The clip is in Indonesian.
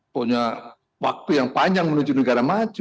punya waktu yang panjang menuju negara maju